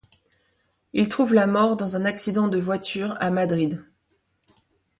Il trouve la mort dans un accident de voiture à Madrid.